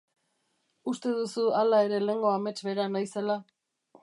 Uste duzu hala ere lehengo Amets bera naizela?